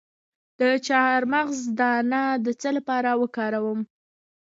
د چارمغز دانه د څه لپاره وکاروم؟